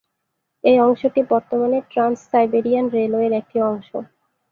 এই অংশটি বর্তমানে ট্রান্স সাইবেরিয়ান রেলওয়ের একটি অংশ।